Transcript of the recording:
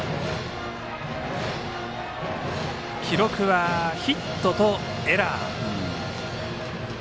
記録はヒットとエラー。